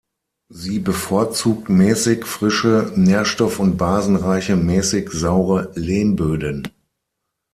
Sie bevorzugt mäßig frische, nährstoff- und basenreiche, mäßig saure Lehmböden.